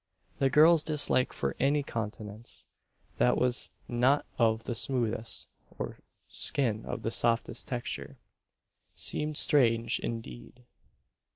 The girl's dislike for any countenance that was not of the smoothest, or skin of the softest texture, seemed strange indeed.